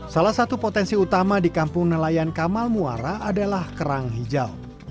salah satu potensi utama di kampung nelayan kamal muara adalah kerang hijau